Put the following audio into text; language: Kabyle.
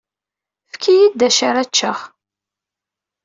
Efk-iyi-d d acu ara cceɣ.